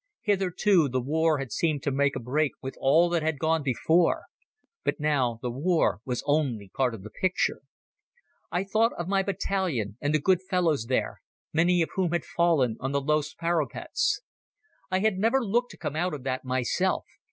Hitherto the war had seemed to make a break with all that had gone before, but now the war was only part of the picture. I thought of my battalion, and the good fellows there, many of whom had fallen on the Loos parapets. I had never looked to come out of that myself.